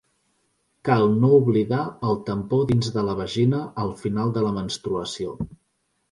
Cal no oblidar el tampó dins de la vagina al final de la menstruació.